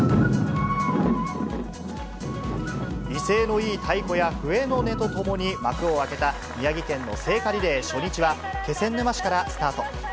威勢のいい太鼓や笛の音とともに幕を開けた、宮城県の聖火リレー初日は、気仙沼市からスタート。